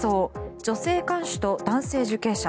女性看守と男性受刑者。